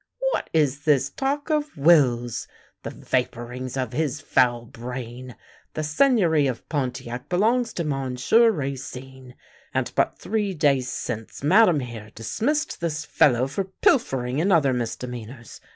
What is this talk of wills! The vapourings of his foul brain. The Seigneury of Pontiac belongs to Monsieur Racine, and but three days since Madame here dismissed this fellow for pil fering and other misdemeanours.